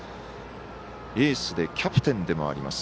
エースでキャプテンでもあります。